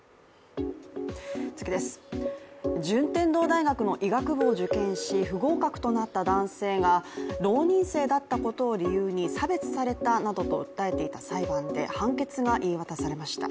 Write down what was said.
順天堂大学の医学部を受験し不合格となった男性が浪人生だったことを理由に差別されたなどと訴えていた裁判で判決が言い渡されました。